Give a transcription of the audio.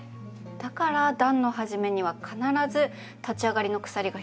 だから段の始めには必ず立ち上がりの鎖が必要なんですね。